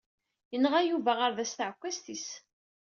Inɣa Yuba aɣerda s tɛekkazt-is.